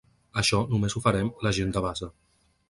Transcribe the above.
Això només ho farem la gent de base.